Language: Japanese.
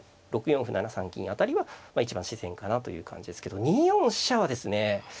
６四歩７三銀辺りは一番自然かなという感じですけど２四飛車はですね